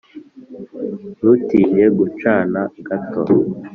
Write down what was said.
ntutinye gucana gato.